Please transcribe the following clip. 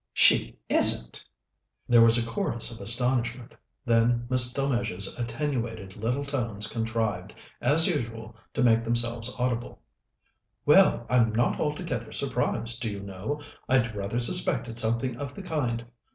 "She isn't!" There was a chorus of astonishment; then Miss Delmege's attenuated little tones contrived, as usual, to make themselves audible: "Well, I'm not altogether surprised, do you know? I'd rather suspected something of the kind.